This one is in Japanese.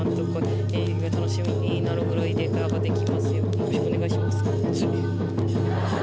よろしくお願いします。